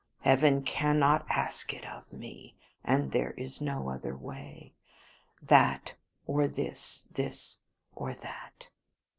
Heaven cannot ask it of me. And there is no other way. That or this; this or that.